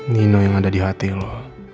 nino yang ada di hati lo